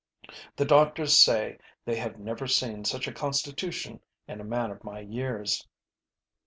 The doctors say they have never seen such a constitution in a man of my years.